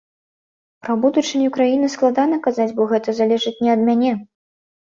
Пра будучыню краіны складана казаць, бо гэта залежыць не ад мяне.